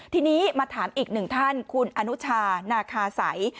ทีนี้มาถามอีกหนึ่งท่านคุณอนุชานาคาสัย